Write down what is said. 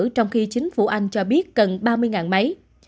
trong khi chính phủ anh cho biết cần ba mươi máy